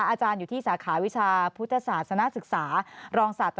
อาจารย์อยู่ที่สาขาวิชาพุทธศาสนศึกษารองศาสตรา